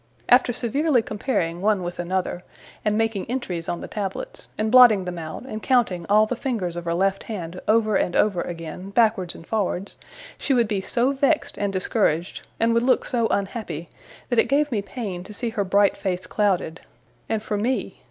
After severely comparing one with another, and making entries on the tablets, and blotting them out, and counting all the fingers of her left hand over and over again, backwards and forwards, she would be so vexed and discouraged, and would look so unhappy, that it gave me pain to see her bright face clouded and for me!